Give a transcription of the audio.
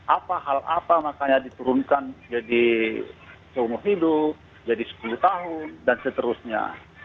apa hal apa makanya diturunkan jadi seumur hidup jadi sepuluh tahun dan seterusnya